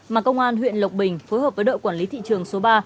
mà công an huyện lộc bình phối hợp với đội quản lý thị trường số ba